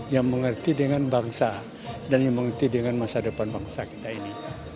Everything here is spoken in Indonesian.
yang mengerti dengan bangsa dan yang mengerti dengan masa depan bangsa kita ini